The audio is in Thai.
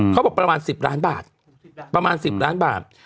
ประมาณ๑๐ล้านบาทประมาณ๑๐ล้านบาท